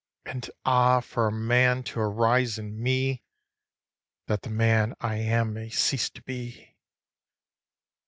6. And ah for a man to arise in me, That the man I am may cease to be!